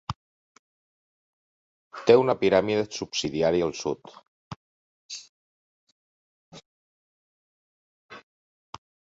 Té una piràmide subsidiària al sud.